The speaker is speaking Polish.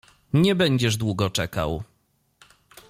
"Nie będziesz długo czekał."